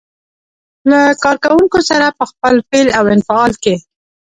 له کار کوونکو سره په خپل فعل او انفعال کې.